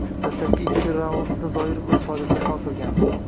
Dastlabki ikki raundni Zoirov o‘z foydasiga hal qilgandi